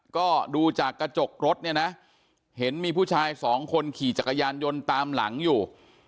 ก็ดูจากกระจกรถเนี่ยนะเห็นมีผู้ชายสองคนขี่จักรยานยนต์ตามหลังอยู่